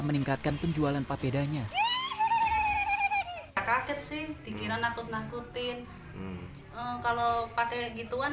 meningkatkan penjualan papedanya kaget sih pikiran nakut nakutin kalau pakai gituan